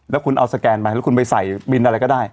แล้วคุณเอาสแกนไปแล้วคุณไปใส่บินอะไรก็ได้